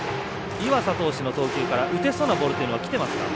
岩佐投手の投球から打てそうなボールはきてますか。